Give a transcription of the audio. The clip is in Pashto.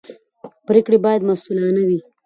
پرېکړې باید مسوولانه وي